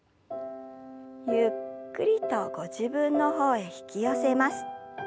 ゆっくりとご自分の方へ引き寄せます。